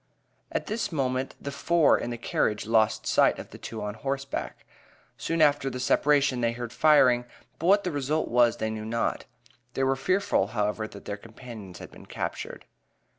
At this moment the four in the carriage lost sight of the two on horseback. Soon after the separation they heard firing, but what the result was, they knew not. They were fearful, however, that their companions had been captured.